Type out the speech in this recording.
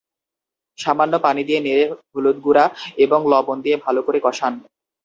সামান্য পানি দিয়ে নেড়ে হলুদ গুঁড়া এবং লবণ দিয়ে ভালো করে কষান।